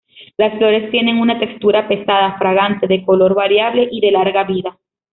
Las flores tienen una textura pesada, fragante, de color variable y de larga vida.